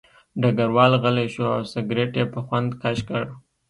ډګروال غلی شو او سګرټ یې په خوند کش کړ